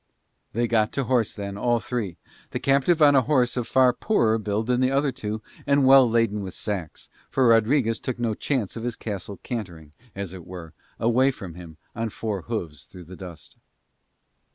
They got to horse then, all three; the captive on a horse of far poorer build than the other two and well laden with sacks, for Rodriguez took no chance of his castle cantering, as it were, away from him on four hooves through the dust.